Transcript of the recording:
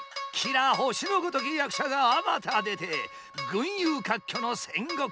綺羅星のごとき役者があまた出て群雄割拠の戦国時代。